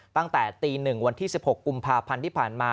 ตั้งแต่ตี๑วันที่๑๖กุมภาพันธ์ที่ผ่านมา